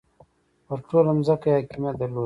پر ټوله ځمکه یې حاکمیت درلود.